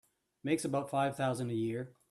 Makes about five thousand a year.